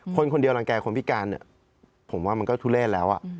คนคนเดียวรังแก่คนพิการเนี่ยผมว่ามันก็ทุเลศแล้ว